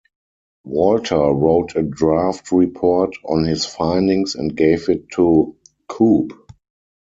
Walter wrote a draft report on his findings and gave it to Koop.